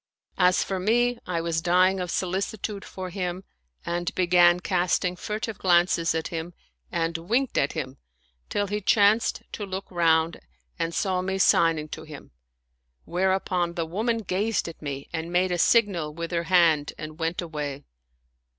As for me, I was dying of solicitude for him and began casting furtive glances at him and winked at him, till he chanced to look round and saw me signing to him; whereupon the woman gazed at me and made a signal with her hand and went away.